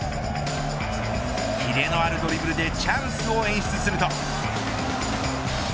きれのあるドリブルでチャンスを演出すると。